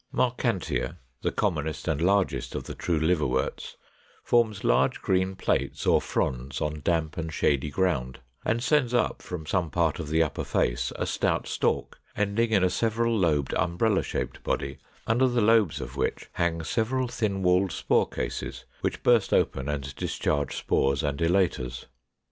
] 502. Marchantia, the commonest and largest of the true Liverworts, forms large green plates or fronds on damp and shady ground, and sends up from some part of the upper face a stout stalk, ending in a several lobed umbrella shaped body, under the lobes of which hang several thin walled spore cases, which burst open and discharge spores and elaters.